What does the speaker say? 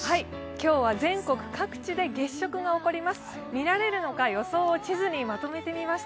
今日は全国各地で月食が行われます。